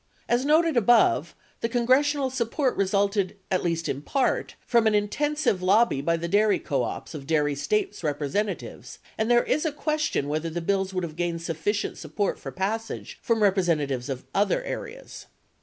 As noted above the congressional support resulted at least in part from an intensive lobby by the dairy co ops of dairy States representatives, and there is a question whether the bills would have gained sufficient sup port for passage from representatives of other areas.